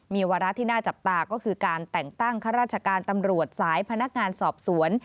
มีวาระที่น่าจับตาก็คือการแต่งตั้งข้าราชการตำรวจสายพนักงานสอบสวน